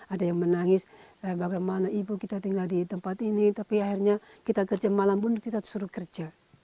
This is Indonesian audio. ada yang menangis bagaimana ibu kita tinggal di tempat ini tapi akhirnya kita kerja malam pun kita suruh kerja